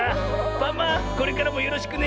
パマこれからもよろしくね。